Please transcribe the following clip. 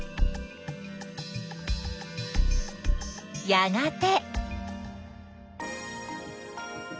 やがて。